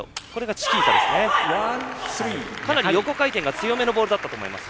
かなり横回転が強めのボールだったと思いますが。